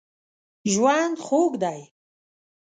ژوند خوږ دی.